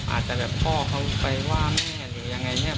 อาจจะแบบพ่อเขาไปไปว่ามันอยู่ยังไงเนี้ย